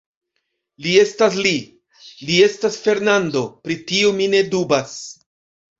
Li estas Li; li estas Fernando; pri tio mi ne dubas.